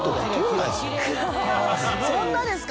そんなですか？